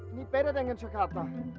ini beda dengan jakarta